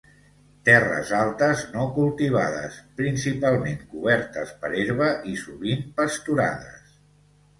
Terres altes no cultivades principalment cobertes per herba i sovint pasturades